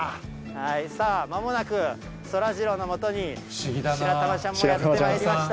さあまもなく、そらジローのもとに、しらたまちゃんもやってまいりました。